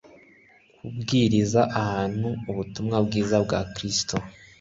Kubwiriza abantu ubutumwa bwiza bwa Kristo